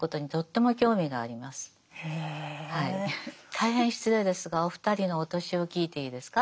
大変失礼ですがお二人のお年を聞いていいですか？